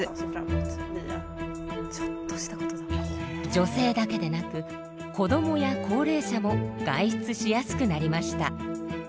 女性だけでなく子どもや高齢者も外出しやすくなりました。